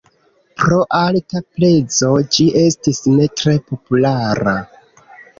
Pro alta prezo ĝi estis ne tre populara.